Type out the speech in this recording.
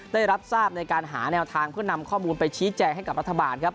ได้รับทราบในการหาแนวทางเพื่อนำข้อมูลไปชี้แจงให้กับรัฐบาลครับ